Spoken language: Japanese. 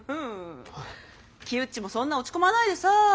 キウッチもそんな落ち込まないでさ。